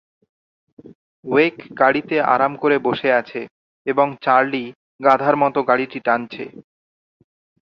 ওয়েক গাড়িতে আরাম করে বসে আছে এবং চার্লি গাধার মত গাড়িটি ঠানছে।